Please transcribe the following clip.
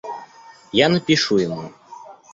Я напишу ему.